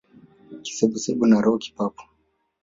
Kisebusebu na roho kipapo